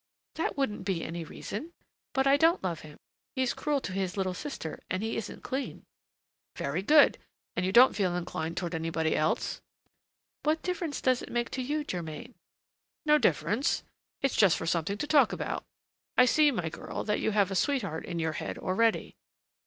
"That wouldn't be any reason. But I don't love him: he's cruel to his little sister, and he isn't clean." "Very good! and you don't feel inclined toward anybody else?" "What difference does it make to you, Germain?" "No difference, it's just for something to talk about. I see, my girl, that you have a sweetheart in your head already."